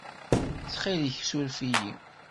Ttxil-k, ssuref-iyi.